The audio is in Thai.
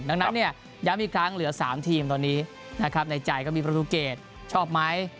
ดังนั้นเนี่ยย้ำอีกครั้งเหลือ๓ทีมตอนนี้นะครับในใจก็มีประตูเกตชอบไหม